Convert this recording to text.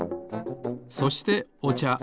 そしておちゃ。